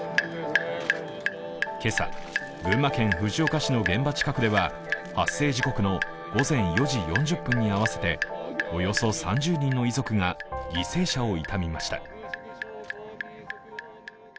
今朝、群馬県藤岡市の現場近くでは発生時刻の午前４時４０分に合わせておよそ３０の遺族が犠牲者を悼みました。